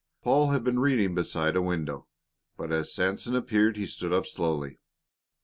Paul had been reading beside a window, but as Sanson appeared he stood up slowly.